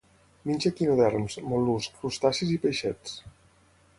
Menja equinoderms, mol·luscs, crustacis i peixets.